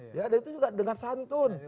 dan itu juga dengan santun